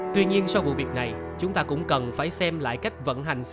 tuy nhiên sau vụ việc này chúng ta cũng cần phải xem lại cách vận hành co hai